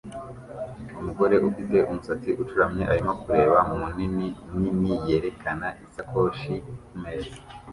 Umugore ufite umusatsi ucuramye arimo kureba mu nini nini yerekana isakoshi kumeza